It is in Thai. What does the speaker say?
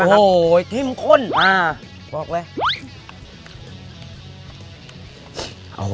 โอโหทิ้มข้นปลอกเลย